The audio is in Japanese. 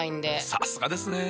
さすがですね。